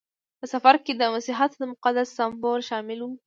په سفر کې د مسیحیت مقدس سمبولونه شامل وو.